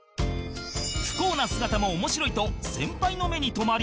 不幸な姿も面白いと先輩の目に留まり